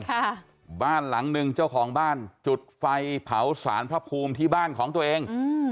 ค่ะบ้านหลังหนึ่งเจ้าของบ้านจุดไฟเผาสารพระภูมิที่บ้านของตัวเองอืม